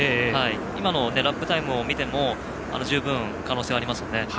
今のラップタイムを見ても十分、可能性はありますよね。